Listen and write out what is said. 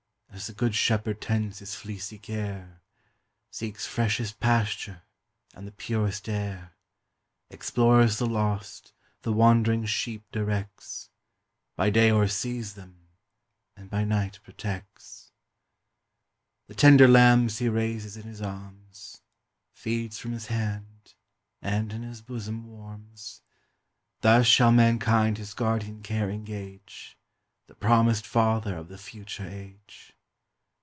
As the good shepherd tends his fleecy care, Seeks freshest pasture, and the purest air, Explores the lost, the wandering sheep directs, By day o'ersees them, and by night protects; The tender lambs he raises in his arms, Feeds from his hand, and in his bosom warms: Thus shall mankind his guardian care engage, The promised Father of the future age.